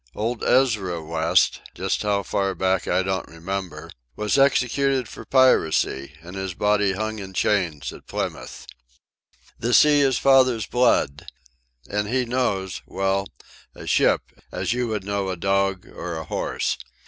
Old Ezra West, just how far back I don't remember, was executed for piracy and his body hung in chains at Plymouth. "The sea is father's blood. And he knows, well, a ship, as you would know a dog or a horse.